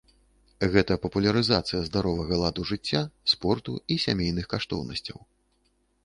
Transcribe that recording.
Гэта папулярызацыя здаровага ладу жыцця, спорту і сямейных каштоўнасцяў.